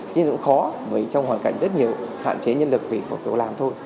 nhưng cũng khó vì trong hoàn cảnh rất nhiều hạn chế nhân lực về kiểu làm thôi